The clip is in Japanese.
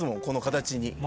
この形に。